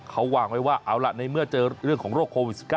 เขาวางไว้ว่าเอาล่ะในเมื่อเจอเรื่องของโรคโควิด๑๙